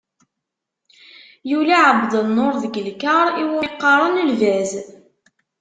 Yuli Ԑebdennur deg lkaṛ iwmi qqaren “Lbaz”.